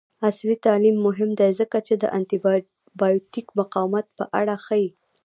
عصري تعلیم مهم دی ځکه چې د انټي بایوټیک مقاومت په اړه ښيي.